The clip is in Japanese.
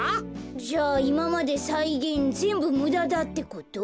じゃあいままでさいげんぜんぶむだだってこと？